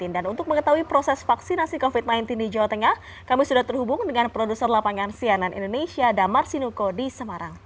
dan untuk mengetahui proses vaksinasi covid sembilan belas di jawa tengah kami sudah terhubung dengan produser lapangan sianan indonesia damar sinuko di semarang